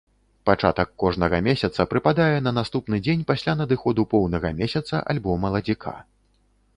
Пачатак кожнага месяца прыпадае на наступны дзень пасля надыходу поўнага месяца альбо маладзіка.